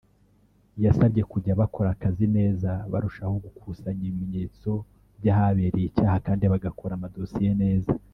yasabye kujya bakora akazi neza barushaho gukusanya ibimenyetso by’ahabereye icyaha kandi bagakora amadosiye neza